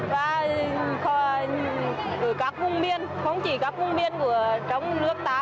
và ở các vùng biên không chỉ các vùng biên trong nước ta